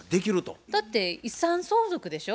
だって遺産相続でしょ？